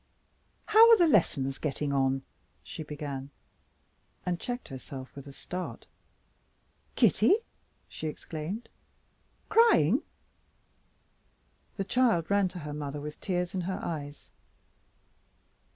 "How are the lessons getting on?" she began and checked herself with a start, "Kitty!" she exclaimed, "Crying?" The child ran to her mother with tears in her eyes.